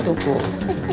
jadinya gitu kum